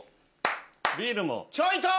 ビールも。